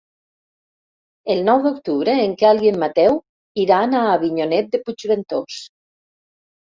El nou d'octubre en Quel i en Mateu iran a Avinyonet de Puigventós.